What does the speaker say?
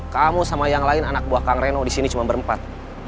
kamu sama yang lain anak buah kang reno di sini cuma berempat